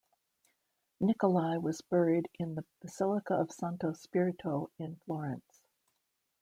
Niccoli was buried in the Basilica of Santo Spirito in Florence.